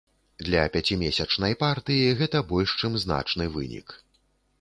Для пяцімесячнай партыі гэта больш, чым значны вынік.